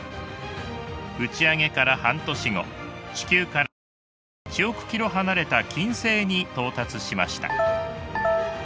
打ち上げから半年後地球からおよそ１億ｋｍ離れた金星に到達しました。